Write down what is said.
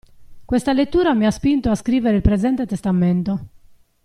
Questa lettura mi ha spinto a scrivere il presente testamento.